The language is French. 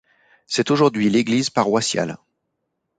C'est aujourd'hui l'église paroissiale.